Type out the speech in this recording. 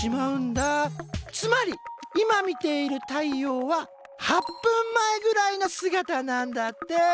つまり今見ている太陽は８分前ぐらいの姿なんだって。